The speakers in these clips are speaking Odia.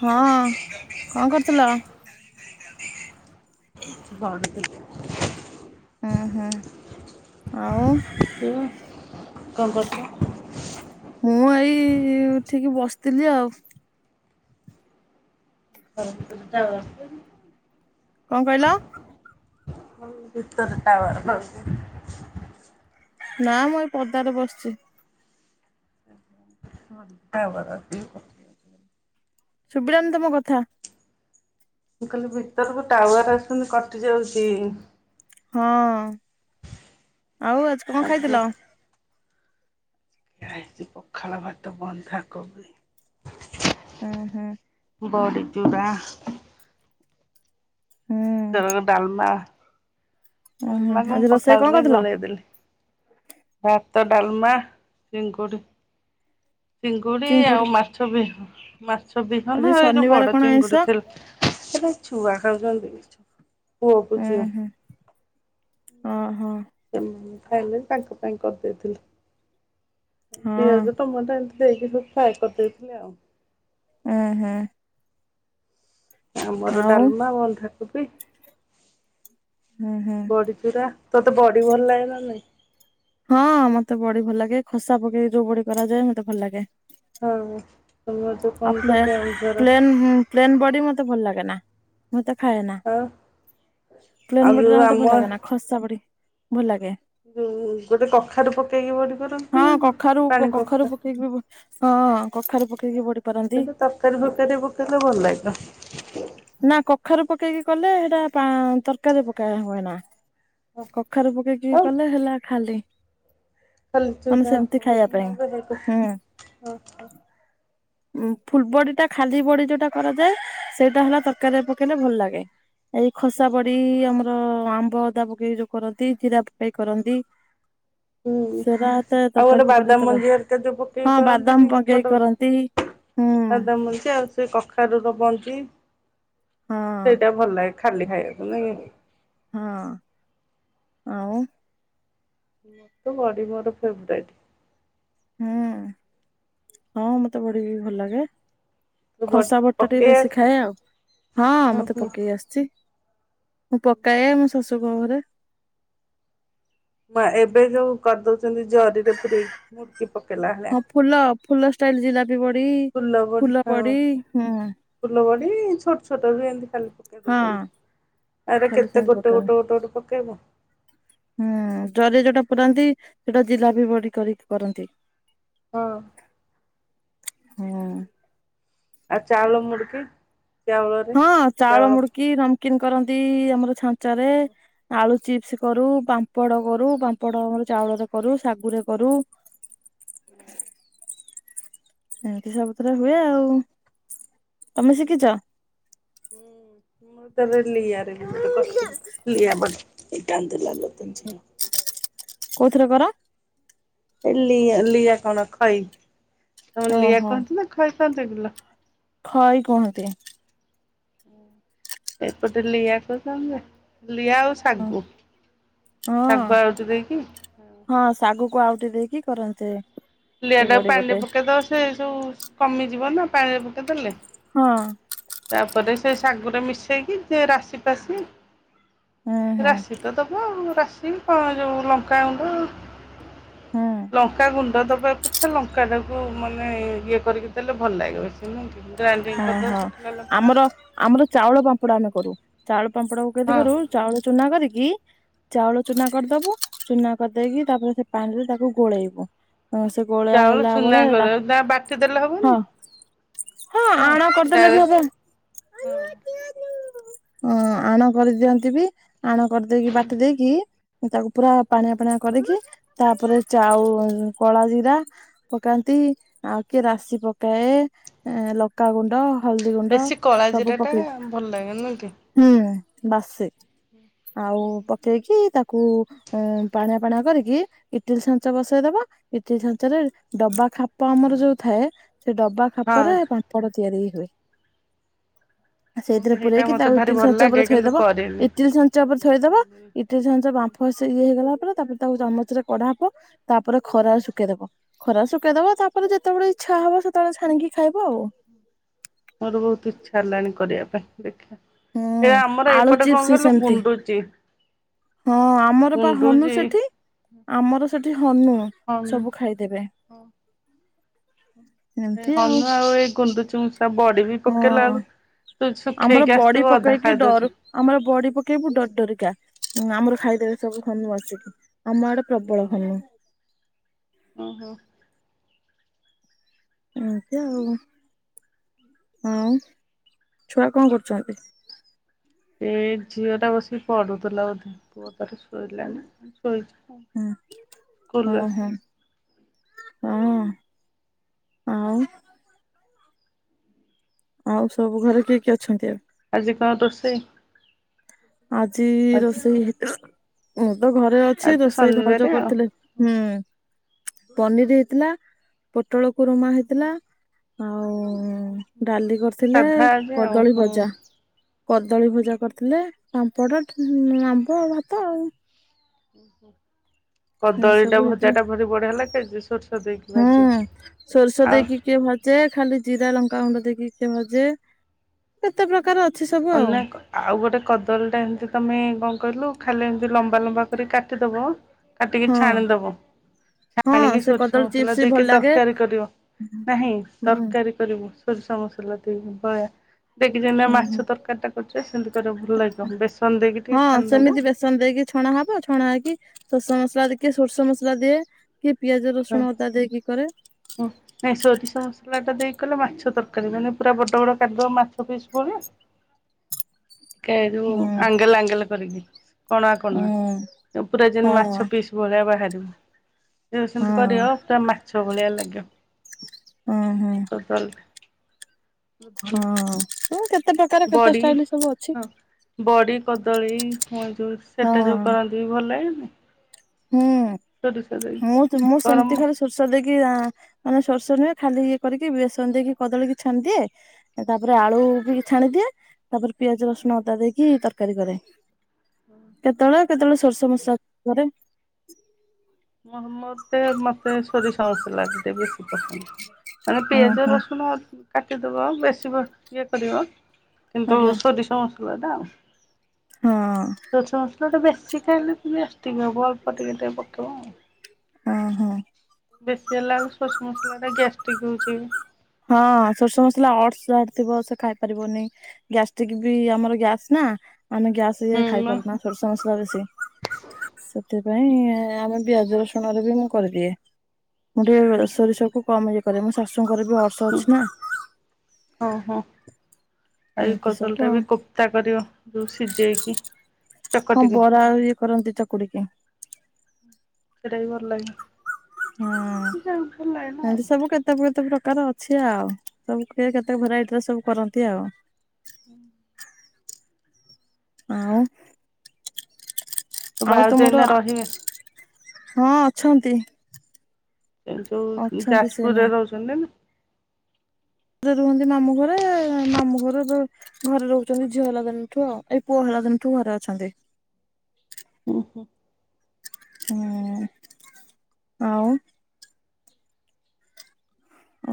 ହଁ, କଣ କରୁଥିଲ? [unintelligible] ହୁଁ ହୁଁ, ଆଉ। କଣ କରୁଥିଲ? ମୁଁ ଏଇ ଉଠିକି ବସଥିଲି ଆଉ। [unintelligible] କଣ କହିଲ? [unintelligible] ଟାୱାର [unintelligible] ନା ମୁଁ ଏଇ ପଦାରେ ବସଛି। [unintelligible] ସୁବିଲାନି ତମ କଥା। ମୁଁ କହିଲି ଭିତରକୁ ଟାୱାର ଆସୁନି କଟି ଯାଉଚି। ହଁ ଆଉ ଆଜି କଣ ଆ ଖାଇଥିଲ? ଖାଇଚି ପଖାଳ ଭାତ, ବନ୍ଧାକୋବି। ଉଁ ହୁଁ। ବଡ଼ିଚୁରା ହୁଁ। ଦଳି, ଡାଲମା ଉଁ ହୁଁ ଡାଲମାକୁ ଆଜି ମୁଁ ରୋଷେଇ କଣ ପଖାଳରେ କରିଥିଲ? ଗୋଳେଇଦେଲି। ଭାତ, ଡାଲମା, ଚିଙ୍ଗୁଡ଼ି। ଚିଙ୍ଗୁଡି ଆଉ ମାଛ ବିହ ମାଛ ଆଜି ବିହନ ଏଇ ଯୋଉ ଶନିବାର ବଡ କଣ ଆଇଁଷ? ଚିଙ୍ଗୁଡି ଥି [unintelligible] ଉଁ ହୁଁ ହଁ ହଁ। ସେମାନେ ଖାଇଲେ ତାଙ୍କ ପାଇଁ କରିଦେଇଥିଲି ହଁ ପିଆଜ ଟମାଟୋ ଏମି ଦେଇକି ସବୁ ଫ୍ରାଏ କରିଦେଇଥିଲି ଆଉ। ଉଁ ହୁଁ ଆମର ଆଉ ଡାଲମା ବନ୍ଧା କୋବି। ଉଁ ହୁଁ ହୁଁ ବଡି ଚୁରା ତୋତେ ବଡି ଭଲ ଲାଗେ ନା ନାଇଁ? ହଁ ମତେ ବଢି ଭଲ ଲାଗେ ଖସା ପକେଇି ଯୋଉ ବଢି କରାଯାଏ ମତେ ଭଲ ଲାଗେ। ଆଉ ତମର ଯୋଉ ଆ କଣ ତ ପ୍ଲେ କେଉଁଝର ପ୍ଲେନ୍ ବଡି ମତେ ଭଲ ଲାଗେ ନା। ମୁଁ ତା ଖାଏ ନା ଆଉ ଆଉ ପ୍ଲେନ ବଡ଼ି ଯୋଉ ମତେ ଆମ ଭଲ ଲାଗେ ନା। ଖସା ବଡ଼ି ଭଲ ଲାଗେ। ଯୋଉ ଗୋଟେ କଖାରୁ ପକେଇକି ବଢି କରନ୍ତି ହଁ ନା କଖାରୁ ପାଣି କଖାରୁ କଖା ପକେଇକି ବି ହଁ କଖାରୁ ପକେଇିକି ବଢି ପାରନ୍ତି। କିନ୍ତୁ ତରକାରୀ ଫକାରୀ ପକେଇଲେ ଭଲ ଲାଗିବ। ନା କଖାରୁ ପକେଇକି କଲେ ସେଟା ପା ତରକାରୀରେ ପକେଇ ହୁଏ ନା। କଖାରୁ ପକେଇକି ଆଉ କଲେ ହେଲା ଖାଲି। ମାନେ ସେମିତି ଖାଇବା ପାଇଁ ହୁଁ। [unintelligible] ଉଁ ଫୁଲବଡି ଟା ଖାଲି ବଡି ଯୋଉଟା କରାଯାଏ ସେଇଟା ହେଲା ତରକାରୀରେ ପକେଇଲେ ଭଲ ଲାଗେ। ଏଇ ଖସା ବଡ଼ି ଆମର ଆମ୍ବ ଅଦା ପକେଇ ଯୋଉ କରନ୍ତି, ଜିରା ପକେଇ କରନ୍ତି। ସେରାତ ଆଉ ଗୋଟେ ତରକାରୀ ପକାରୀ ବାଦାମ ଏତେ ମଞ୍ଜି ପଡେ। ହେରିକା ଯୋଉ ହଁ ବାଦାମ ପକେଇ କରନ୍ତି। ହୁଁ ବାଦାମ ମଞ୍ଜି ଆଉ ସେ କଖାରୁ ର ମଞ୍ଜି ହଁ ସେଇଟା ଭଲ ଲାଗେ ଖାଲି ଖାଇବାକୁ ନୁଅକି। ହଁ ଆଉ ବଡି ମୋର ଫେବ୍ରାଇଟ୍। ହୁଁ। ହଁ ମତେ ବଢି ବି ଭଲ ଲାଗେ। ଖସା ବଡି ଟିକେ ବେଶୀ ଖାଏ ଆଉ ହଁ ହୁଁ ମତେ ହୁଁ। ପକେଇ‌ ଆସିଛି। ମୁଁ ପକାଏ ମୋ ଶାଶୁ କ ଘରେ। ମା ଏବେ ଯୋଉ କରିଦଉଛନ୍ତି ଜରିରେ ପୁରରେଇକି ମୁଡିକି ପକେଇଲା ହଁ ଭଳିଆ। ଫୁଲ ଫୁଲ ଷ୍ଟାଇଲ ଜିଲାପି ବଡି ଫୁଲ ବଡି ହୁଁ। ଫୁଲ ବଡି ଛୋଟ ଛୋଟ ରୁ ଏନ୍ତି ହଁ ଖାଲି ଆରେ ଖାଲି କେତେ ସେମିତି ଗୋଟେ ପକାଏ ଗୋଟେ ଗୋଟେ ଗୋଟେ ପକେଇବ। ହୁଁ ଜରି ରେ ଯୋଉଟା ପୁରନ୍ତି ସେଟା ଜିଲାପି ବଢି କରି କରନ୍ତି। ହଁ ହୁଁ ଆଉ ଚାଉଳ ମୁଡ଼ିକ୍। ହଁ ଚାଉଳ ମୁଡିକି, ନମକିନ କରନ୍ତି ଆମର ଛାଞ୍ଚ ରେ। ଆଳୁ ଚିପ୍ସ କରୁ, ପାମ୍ପଡ଼ କରୁ, ପାମ୍ପଡ ଆମର ଚାଉଳ ରେ କରୁ, ଶାଗୁ ରେ କରୁ। ହୁଁ। ଏମିତି ସବୁଥରେ ହୁଏ ଆଉ। ତମେ ଶିଖିଛ? ହୁଁ। [unintelligible] କୋଉଥିରେ କର? ଏ ଲି-ଲିଆ କଣ ଖଇ ତମ ଲିଆ ଓହୋ କୁହନ୍ତି ନା ଖଇ କୁହନ୍ତି? [unintelligible] ଖଇ କୁହନ୍ତି। ଏପଟେ ଲିଆ କହୁଛନ୍ତି ଯେ। ଲିଆ ଆଉ ଶାଗୁ, ହଁ ଶାଗୁ ଆଉଟି ଦେଇକି ହଁ ଶାଗକୁ ଆଉଟି ଦେଇକି କରନ୍ତେ। ଲିଆ ଟାକୁ ପାଣିରେ ପକେଇଦବ ସେ ସବୁ କମିଯିବ ନା ପାଣିରେ ପକେଇ ଦେଲେ। ହଁ। ତାପରେ ସେ ଶାଗୁରେ ମିଶେଇକି ସେ ରାଶି-ପାଶି ହୁଁ ହୁଁ ରାଶି ତ ଦବ ଆଉ, ରାଶି କଣ ଯୋଉ ଲଙ୍କା ଗଣ୍ଡ ହୁଁ ଆ ଲଙ୍କା ଗୁଣ୍ଡ ଦ ବା କଥା ଲଙ୍କାଟାକୁ ମାନେ ଇଏ କରିକି ଦେଲେ ଭଲ ଲାଗେ ବେଶି। ଗ୍ରାଇଣ୍ଡିଂ ହଁ କରିଦବ ହଁ ଶୁଖିଲା ଲଙ୍କାଟା। ଆମର ଆମର ଚାଉଳ ପାମ୍ପଡ ଆମେ କରୁ। ଚାଉଳ ପାମ୍ପଡା କୁ କେମତି ହଁ କରୁ ଚାଉଳ ଚୁନା କରିକି ଚାଉଳ ଚୁନା କରିଦବୁ ଚୁନା କରିଦେଇକି ତାପରେ ସେ ପାଣି ରେ ତାକୁ ଗୋଳେଇବୁ। ଉ ସେ ଗୋଳିଆ ଚାଉଳ ହେଲା ଚୁନା ବଳେ କର ତା ବାଟି ଦେଲେ ହବନି? ହଁ ହଁ ଆଣ କରିଦେଲେ ବି ହେବ। ହଁ ହଁ ଆଣ କରିଦିଅନ୍ତି ବି। ଆଣ କରିଦେଇକି ବାଟି ଦେଇକି ତାକୁ ପୁରା ପାଣିଆ ପାଣିଆ କରିକି ତାପରେ ଚାଉ କଳା ଜିରା ପକାନ୍ତି ଆଉ କିଏ ରାଶି ପକାଏ ଏଁ ଲ ଲଙ୍କା ଗୁଣ୍ଡ, ହଳଦୀ ଗୁଣ୍ଡ ବେଶୀ କଳା ସବୁ ଜିରା ଟା ପକେଇକି। ଭଲ ଲାଗେ ନୁହଁ କି? ହୁଁ ବାସେ ଆଉ ପକେଇକି ତା କୁ ଉ ପାଣିଆ ପାଣି କରିକି ଇଟିଲ ଛାଞ୍ଚ ବସେଇ ଦବା। ଇଟିଲ୍ ଛାଞ୍ଚରେ ଡବା ଖାପ ଆମର ଯୋଉ ଥାଏ ସେ ଡବା ହଁ ଖାପରେ ପାମ୍ପଡ଼ ତିଆରି ହୁଏ। ମୁଁ ସେଇଥିରେ ବି ସେଇଟା ପୁରରେଇକି ମତେ ତାକୁ ଭାରି ଇଟିଲି ଭଲ ଛାଞ୍ଚ ଉପରେ ଲାଗେ କିନ୍ତୁ ଥୋଇଦବ, କରେନି। ଇଟିଲି ଛାଞ୍ଚ ଉପରେ ଥୋଇଦବ। ଇ ଇଟିଲି ଛାଞ୍ଚ ବାମ୍ଫ ଇଏ ହେଇଗଲା ପରେ ତାପରେ ତାକୁ ଚାମଚରେ କଢ଼ା ହବ। ତାପରେ ଖରାରେ ଶୁଖେଇଦବ। ଖରାରେ ଶୁଖେଇଦବ ତାପରେ ଯେତେବେଳେ ଇଚ୍ଛା ହବ ସେତେବେଳେ ଛାଣିକି ଖାଇବ ଆଉ। ମୋର ବହୁତ୍ ଇଚ୍ଛା ହେଲାଣି କରିବା ପାଇଁ ଦେଖିଆ। ଏ ହୁଁ ଆମର ଆଳୁ ଏପଟେ କଣ ଚିପ୍ସ କହିଲୁ ସେମିତି ଗୁଣ୍ଡୁଚି। ହଁ, ଆମର ପା ହନୁ ଗୁଣ୍ଡୁଚି ସେଠି ଆମର ସେଠି ହନୁ, ହଁ ସବୁ ଖାଇ ଦେବେ। ସେ ହନୁ ଆଉ ଏ ଗୁଣ୍ଡୁଚି ମୂଷା ତୁ ବଡ଼ି ବି ପକେଇଲା ହଁ ବେଳକୁ, ତୁ ଆମର ଶୁଖେଇଇକି ବଡି ଆସିଥିବୁ ଅଧା ପକେଇକି ଡରୁ ଖାଇଦଉଚନ୍ତି। ଆମର ବଡ଼ି ପକେଇବୁ ଡରି ଡରିକା ଆମର ଖାଇଦେବେ ସବୁ ହନୁ ଆସିକି। ଆମ ଆଡେ ପ୍ରବଳ ହନୁ। ଓହୋଃ। ଏମତି ଆଉ। ଆଉ ଛୁଆ କଣ କରୁଚନ୍ତି? ଏ ଝିଅ ଟା ବସିକି ପଢୁଥିଲା ବୋଧେ ପୁଅ ତାର ଶୋଇଲାଣି ଶୋଇଚି। ଆଉ। ସ୍କୁଲରୁ ହୁଁ ଉଁ ହୁଁ। ଆସିକି ହଁ ଆଉ ଆଉ ସବୁ ଘରେ କିଏ କି ଅଛନ୍ତି ଏବେ? ଆଜି କଣ ରୋଷେଇ? ଆଜି ଆଜି ରୋଷେଇ ମୁଁ ତ ଘରେ ଅଛି ଆଜି ତ ରୋଷେଇ ଭାଉଜ ଶନିବାରେ ଆଉ କରିଥିଲେ। ହୁଁ ପନିରି ହେଇଥିଲା ପୋଟଳ କରୁମା ହେଇଥିଲା ଆଉ ଡାଲି କରିଥିଲେ ସାଧା ଆଜି ଆଉ କଦଳୀ ହୁଁ। ଭଜା। କଦଳୀ ଭଜା କରିଥିଲେ ପାମ୍ପଡ ଆମ୍ବ ଭାତ ଆଉ। ଏ କଦଳୀ ଟା ସବୁ ଭଜା ହେଇଥିଲା ଟା ଭାରି ବଢିଆ ଲାଗେଜେ ସେ ହୁଁ ସୋରିଷ ଆଉ ଦେଇକି କିଏ ଭାଜେ ଖାଲି ଜିରା ଲଙ୍କାଗୁଣ୍ଡ ଦେଇକି କିଏ ଭାଜେ। କେତେ ପ୍ରକାର ଅଛି ସବୁ ଆଉ। ଅନେକ ଆଉ ଗୋଟେ କଦଳୀ ଟା ଏମିତି ତମେ କଣ କହିଲୁ ଖାଲି ଏମିତି ଲମ୍ବା ଲମ୍ବା କରି କାଟିଦବ କାଟିକି ହଁ ଛାଣିଦବ ହଁ ଛାଣିକି ସେ ସୋରିଷ କଦଳୀ ମସଲା ଚିପ୍ସ ଭଲ ଦେଇକି ଲାଗେ ତରକାରୀ କରିବ ହୁଁ ନାହିଁ ତରକାରୀ କରିବୁ ସୋରିଷ ମସଲା ଦେଇକି ଭଳିଆ ଦେଖିଚନା ହୁଁ ହୁଁ ମାଛ ତରକାରୀ ଟା କରୁଚେ ସେମିତି କରିବୁ ଭଲ ଲାଗିବ। ବେସନ ଦେଇକି ଟିକେ ହଁ ଛାଣିଦବୁ। ସେମିତି ବେସନ ଦେଇକି ଛଣା ହବ ଛଣା ହେଇକି ସୋରିଷ ମସଲା ଦେଇକି ସୋରିଷ ମସଲା ଦିଏ। କିଏ ପିଆଜ ରସୁଣ ଅଦା ଦେଇକି କରେ। ହ ନାଇଁ ସୋରିଷ ମସଲାଟା ଦେଇକି କଲେ ମାଛ ତରକାରୀ ମାନେ ପୁରା ବଡ଼ ବଡ଼ କାଟିଦବ ମାଛ ପିସ୍ ଭଳିଆ ହୁଁ ଟିକେଯୋଉ ଆଙ୍ଗେଲ ଆଙ୍ଗେଲ କରିକି କଣୁଆ ହୁଁ କଣୁଆ। ପୁରା ହଁ ଯେମିତି ମାଛ ପିସ୍ ଭଳିଆ ବାହାରିବ। ଯୋଉ ହଁ ସେମିତି କରିବ ପୁର ମାଛ ଭଳିଆ ଲାଗିବ। ହଁ ହଁ। [unintelligible] ହଁ କେତେ ପ୍ରକାର କେତେ ବଡି ଷ୍ଟାଇଲ ସବୁ ଅଛି। ହଁ ବଡି, କଦଳୀ, ହୁଏ ଯୋଉ ସେଟା ହଁ ଯୋଉ କରନ୍ତିୁ ଭଲ ଲାଗେନି। ସୋରିଷ ହୁଁ ମୁଁ ଦେଇକି ମୁଁ ସେମିତି ଗରମ ଖାଲି ସୋରିଷ ଦେଇକି ମାନେ ସୋରିଷ ନୁହେଁ ଖାଲି ଇଏ କରିକି ବେସନ ଦେଇକି କଦଳୀ କିି ଛାଣିଦିଏ। ତାପରେ ଆଳୁ ବି ଛାଣିଦିଏ। ତାପରେ ପିଆଜ ରସୁଣ ଅଦା ଦେଇକି ତରକାରୀ କରେ। ହଁ କେତେବେଳେ କେତେବେଳେ, ସୋରିଷ, ମସଲା କରେ। ମୋତେ ମତେ ସୋରିଷ, ମସଲା ଦିଆ ବେଶୀ ପସନ୍ଦ। ମାନେ ହୁଁ ପିଆଜ ହୁଁ ରସୁଣ କାଟିଦବ ବେଶୀ ଇଏ କରିବ। କିନ୍ତୁ, ଆଜ୍ଞା ସୋରିଷ ମସଲା ଟା ଆଉ। ହଁ। ସୋରିଷ ମସଲା ଟା ବେଶୀ ଖାଇଲେ ଗ୍ୟାସଟିକ୍ ହବ। ଅଳ୍ପ ଟିକେ ଟିକେ ପକେଇବ। ଅ ହଁ। ବେଶୀ ହେଲା ବେଳକୁ, ସୋରିଷ ମସଲା ଟା, ଗ୍ୟାଷ୍ଟ୍ରିକ୍ ହୋଉଛି। ହଁ ସୋରିଷ ମସଲା ଅର୍ସ ଯାହାର ଥିବ ସେ ଖାଇ ପାରିବନି। ଗ୍ୟାଷ୍ଟ୍ରିକ୍ ବି ଆମର ଗ୍ୟାସ ନା, ଆମେ ଗ୍ୟାସ ହେଇ ହୁଁ ଯାଏଁ ଖାଇ ମ ପାରୁନା ସୋରିଷ ମସଲା ବେଶୀ। ସେଥିପାଇଁ ଆମେ ପିଆଜ ରସୁଣ ରେ ବି ମୁଁ କରିଦିଏ। ମୁଁ ହୁଁ ଟିକେ ସୋରିଷ କୁ କମ୍ ଇଏ କରେ। ମୋ ଶାଶୁଙ୍କର ବି ଅର୍ଶ। ହୁଁ ଅର୍ଶ ଅଛି ନାଁ, ଓହୋ। ଏମିତି ସବୁ ଆଉ। ଭର୍ତ୍ତା କରିବ ଯୋଉ ସିଝେଇକି। ହଁ ଚକଟିକି। ବରା ଇଏ କରନ୍ତି ଚକୁଡିକି। ସେଇଟା ବି ଭଲ ଲାଗେ ହଁ ଏମିତି ଆଉ ଭଲ ଲାଗେ ନା ଆଉ। ଏମିତି ସବୁ କେ ତେ ବହୁତ ପ୍ରକାର ଅଛି ଆଉ। ସବୁ କିଏ କେତେ ଭେରାଇଟି ର ସବୁ କରନ୍ତି ଆଉ ହୁଁ ଆଉ ଆଉ ଭାଉଜ ତମର। ଏଇନା ରହିବେ? ହଁ ଅଛନ୍ତି। ଏଇ ଯୋଉ ଅଛନ୍ତି ଯାଜପୁର, ସେନା ରେ ରହୁଛନ୍ତି ନା। ଘରେ ରୁହନ୍ତି ମାମୁଁ ଘରେ ମାମୁଁ ଘର। ଘରେ ରହୁଛନ୍ତି। ଝିଅ ହେଲା ଦିନଠୁ। ଆଉ ଏଇ ପୁଅ ହେଲା ଦିନଠୁ ଘରେ ଅଛନ୍ତି। ହୁଁ ହୁଁ ହୁଁ ଆଉ।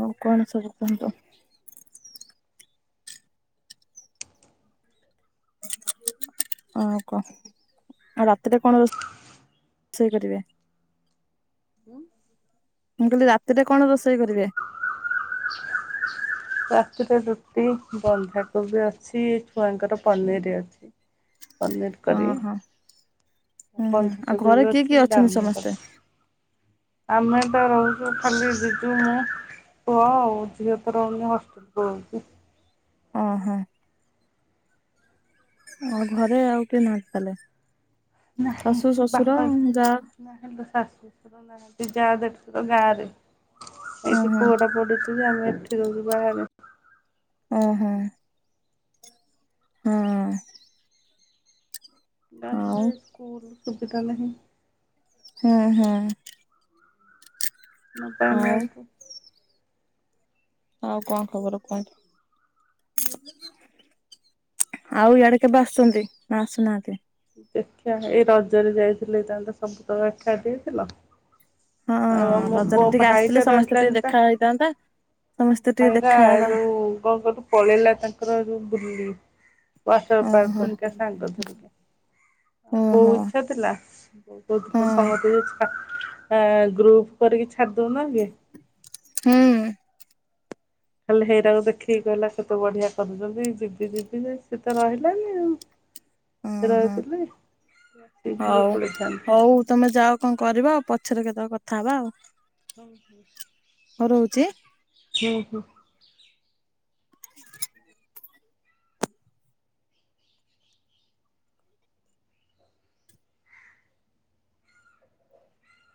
ଆଉ କଣ ସବୁ କୁହନ୍ତୁ। [unintelligible] ଆଉ କଣ ଆଉ ରାତିରେ କଣ ରୋ ଷେଇ, କରିବେ। ହୁଁ। ମୁଁ କହିଲି, ରାତିରେ କଣ, ରୋଷେଇ କରିବେ। ରାତିରେ ରୁଟି, ବନ୍ଧାକୋବି ଅଛି, ଛୁଆଙ୍କର ପନିର୍ ଅଛି। ପନୀର୍ କରିବି। ଓହୋ ହୁଁ ହୁଁ ଆଉ ଘରେ ବି କିଏ ଅଛି କିଏ ଅଛନ୍ତି ଡାଲମା ସମସ୍ତେ? କରିଛି। ଆମେ ତ ରହୁଛୁ ଖାଲି ଜିଜୁ ମୁଁ ହଁ ଝିଅ ତ ରହୁନି, ହଷ୍ଟେଲ୍ ପଳଉଛି। ଓ ହୋ। ଆଉ ଘରେ ଆଉ କିଏ ନାହାନ୍ତି ତାଲେ। ଶାଶୁ ଶ୍ୱଶୁର ଯା। ନାହାଁ ଲୋ ଶାଶୁ, ଶଶୁର, ନାହାନ୍ତି, ଯା ଦେଢ଼ଶୁର ଗାଁ ରେ। ଏଇଠି ଓହୋ ପୁଅ ଟା ପଡୁଛି ଯେ, ଆମେ ଏଠି ରହୁଛୁ ବାହାରେ। ଓ ହୋ। ହଁ। ଆଉ ବାରିରେ ସ୍କୁଲ ସୁବିଧା ନାହିଁ। ହୁଁ ହୁଁ। ଲୁଗା ନେଇ ଆଉ ଆଇଛୁ ଆଉ କଣ ଖବର କୁହନ୍ତୁ? ଆଉ ଇଆଡେ କେବେ ଆସୁଛନ୍ତି ନା ଆସୁନାହାନ୍ତି? ଦେଖିଆ ଏଇ ରଜରେ ଯାଇଥିଲେ ହେଇଥାନ୍ତା ସବୁତ ଏଖାଟି ହେଇଥିଲ। ହଁ ଆଉ ଆମ ବୋ ମୋ ରଜରେ ଟିକେ ଆସିଥିଲେ ଭାଇଟା ସମସ୍ତେ ଟିକେ ରହିଲାନି ନା ଦେଖା ହେଇଥାନ୍ତା ମୋ ସମସ୍ତେ ଟିକେ ଭାଇ ବା ଦେଖା ହେଲା ଯୋଉ କଣ କହିଲୁ ପଳେଇଲା ତାଙ୍କର ଯୋଉ ବୁଲି ୱାଟର ପାର୍କ ଓହୋ ହେରିକା ସାଙ୍ଗ ଧରିକି। ବୋଉ ଓହୋ ଇଚ୍ଛା ଥିଲା ବୋଉ ହଁ କହୁଥିଲା ସମସ୍ତିକି ଆ ଗ୍ରୁପ କରିକି ଛାଡିଦଉନା କି ହୁଁ। ଖାଲି ହେଇରାକୁ ଦେଖିକି କହିଲା କେତେ ବଢିଆ କରୁଛନ୍ତି ଯିବି ଯିବି ଯେ ସେ ତ ରହିଲାନି ଆଉ ଉଁ ହୁଁ ରହିଥିଲେ ଆସିକି ବୁଲି ହଉ ପଳେଇଥାନ୍ତି। ହଉ ତମେ ଯାଅ କଣ କରିବ ଆଉ ପଛରେ କେତେବେଳେ କଥା ହେବା ଆଉ ହଉ ମୁଁ ରହୁଛି। ହଁ ରହୁଛି ଆଁ ହୁଁ ହୁଁ। [unintelligible]